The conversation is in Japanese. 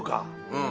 うん。